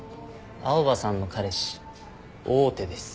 青羽さんの彼氏大手です。